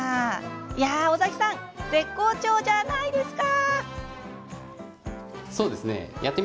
いやあ、尾崎さん絶好調じゃないですか！